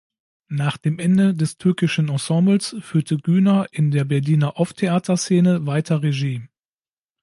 Nach dem Ende des Türkischen Ensembles führte Güner in der Berliner Off-Theaterszene weiter Regie.